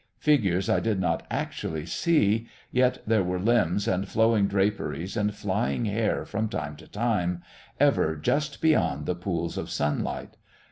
Figures I did not actually see; yet there were limbs and flowing draperies and flying hair from time to time, ever just beyond the pools of sunlight....